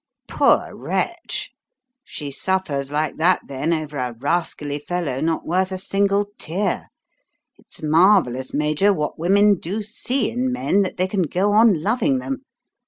"Poor wretch! She suffers like that, then, over a rascally fellow not worth a single tear. It's marvellous, Major, what women do see in men that they can go on loving them.